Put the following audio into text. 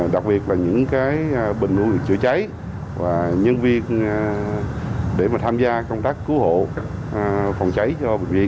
đặc biệt là những bệnh nguồn chữa cháy và nhân viên để tham gia công tác cứu hộ phòng cháy cho bệnh viện